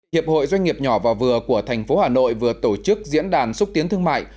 hiệp hội doanh nghiệp nhỏ và vừa của thành phố hà nội vừa tổ chức diễn đàn xúc tiến thương mại